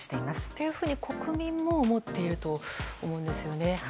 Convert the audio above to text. というふうに国民も思っていると思うんですよね。